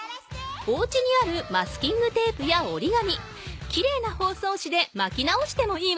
おうちにあるマスキングテープやおりがみきれいなほうそうしでまき直してもいいわね。